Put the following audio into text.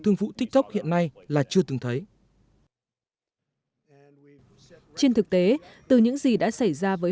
thương vụ tiktok hiện nay là chưa từng thấy trên thực tế từ những gì đã xảy ra với